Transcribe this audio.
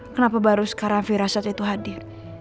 kenapa baru sekarang firasat itu hadir